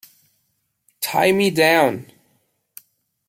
Tie Me Down!